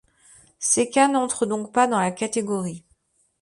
Ces cas n'entrent donc pas dans la catégorie.